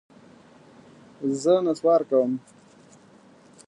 زه نسوار کوم.